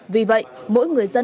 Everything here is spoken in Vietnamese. vì vậy mỗi người dân